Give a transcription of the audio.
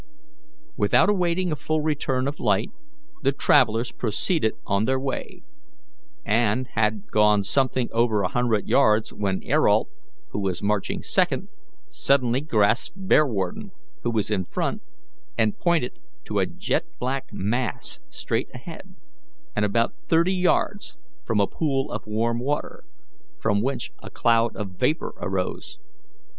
Without awaiting a full return of light, the travellers proceeded on their way, and had gone something over a hundred yards when Ayrault, who was marching second, suddenly grasped Bearwarden, who was in front, and pointed to a jet black mass straight ahead, and about thirty yards from a pool of warm water, from which a cloud of vapour arose.